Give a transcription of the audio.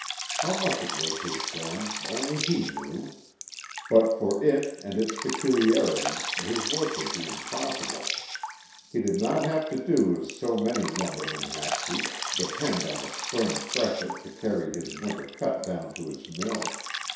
How much it was his friend only he knew. But for it, and its peculiarities, his work would be impossible. He did not have to do as so many lumbermen have to, depend on the spring freshet to carry his winter cut down to his mill.